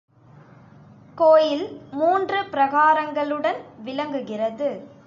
கோயில் மூன்று பிராகாரங்களுடன் விளங்குகிறது.